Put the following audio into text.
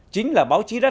chính là báo chí đắt đầu